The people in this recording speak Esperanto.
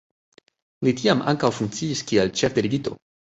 Li tiam ankaŭ funkciis kiel ĉefdelegito.